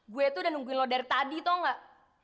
gue tuh udah nungguin lo dari tadi tau nggak